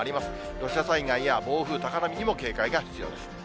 土砂災害や暴風、高波にも警戒が必要です。